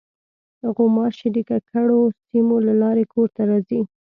غوماشې د ککړو سیمو له لارې کور ته راځي.